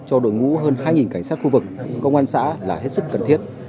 cho đội ngũ hơn hai cảnh sát khu vực công an xã là hết sức cần thiết